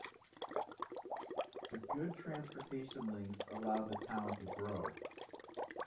The good transportation links allowed the town to grow.